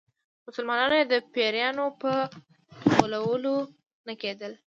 مسلمانانو یې د پیرانو په غولولو نه کېدل.